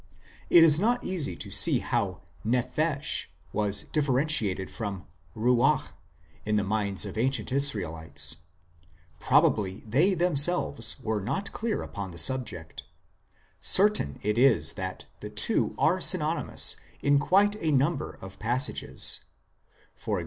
It is not easy to see how nephesh was differentiated from ruach in the minds of ancient Israelites ; probably they themselves were not clear upon the subject ; certain it is that the two are synonymous in quite a number of passages (e.g.